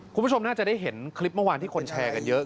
คุณผู้ชมน่าจะได้เห็นคลิปเมื่อวานที่คนแชร์กันเยอะ